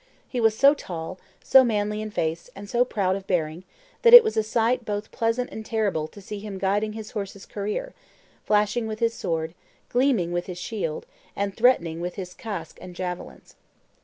"He was so tall, so manly in face, and so proud of bearing, that it was a sight both pleasant and terrible to see him guiding his horse's career, flashing with his sword, gleaming with his shield, and threatening with his casque and javelins."